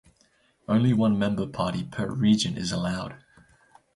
Only one member party per region is allowed.